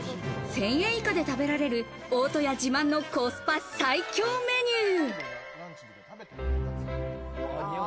１０００円以下で食べられる大戸屋自慢のコスパ最強メニュー。